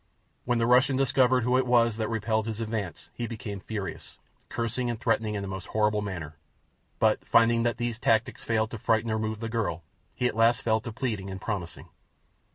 When the Russian discovered who it was that repelled his advance he became furious, cursing and threatening in a most horrible manner; but, finding that these tactics failed to frighten or move the girl, he at last fell to pleading and promising.